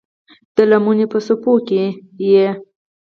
د لمنې په څپو کې یې